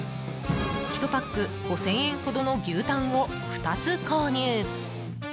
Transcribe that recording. １パック５０００円ほどの牛タンを２つ購入。